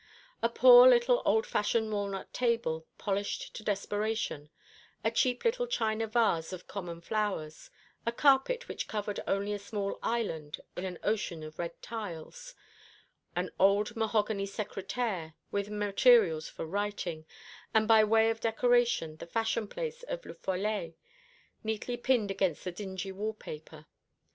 A poor little old fashioned walnut table, polished to desperation, a cheap little china vase of common flowers, a carpet which covered only a small island in an ocean of red tiles, an old mahogany secrétaire with materials for writing, and by way of decoration the fashion plates of Le Follet neatly pinned against the dingy wall paper.